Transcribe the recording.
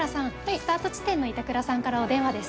スタート地点の板倉さんからお電話です。